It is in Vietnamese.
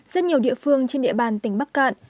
rất nhiều địa phương trên địa bàn tỉnh bắc cạn